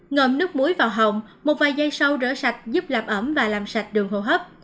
ngộm nước muối vào hồng một vài giây sau rửa sạch giúp làm ẩm và làm sạch đường hồ hấp